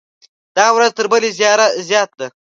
دا ورځ تر بلې زیات ده.